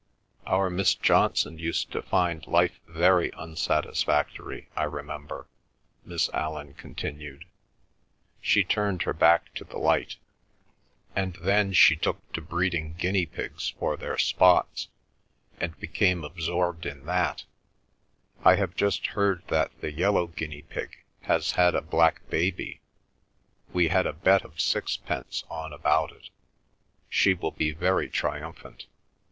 "Our Miss Johnson used to find life very unsatisfactory, I remember," Miss Allan continued. She turned her back to the light. "And then she took to breeding guinea pigs for their spots, and became absorbed in that. I have just heard that the yellow guinea pig has had a black baby. We had a bet of sixpence on about it. She will be very triumphant."